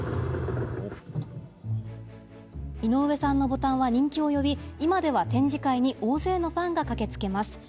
井上さんのボタンは人気を呼び今では展示会に大勢のファンが駆けつけます。